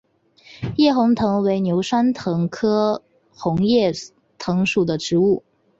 红叶藤为牛栓藤科红叶藤属的植物。